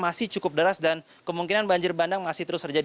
masih cukup deras dan kemungkinan banjir bandang masih terus terjadi